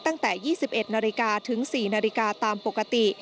ตั้งแต่๒๑นาฬิกาถึง๔นาฬิกาตามปกติ